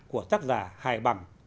của tác giả hải bằng